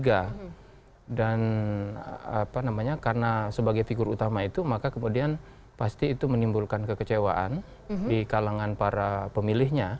karena sebagai figur utama itu maka kemudian pasti itu menimbulkan kekecewaan di kalangan para pemilihnya